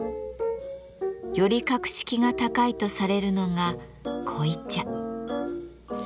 より格式が高いとされるのが濃茶。